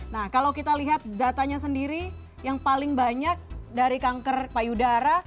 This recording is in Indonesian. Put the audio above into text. nah kalau kita lihat datanya sendiri yang paling banyak dari kanker payudara